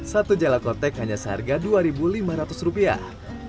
satu jalakotek hanya seharga dua lima ratus rupiah